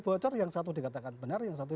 bocor yang satu dikatakan benar yang satu